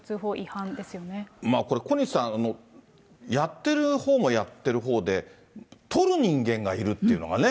これ、小西さん、やってるほうもやってるほうで、撮る人間がいるっていうのがね。